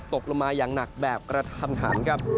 ตกลงมาอย่างหนักแบบกระทันหันครับ